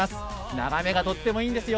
眺めがとってもいいんですよ。